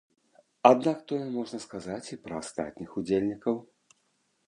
Аднак тое можна сказаць і пра астатніх удзельнікаў.